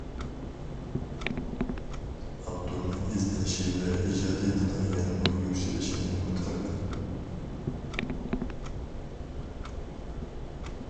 ئاپتورنىڭ ئىزدىنىشى ۋە ئىجادىيىتىنىڭ يەنىمۇ يۈكسىلىشىنى ئۈمىد قىلىمەن.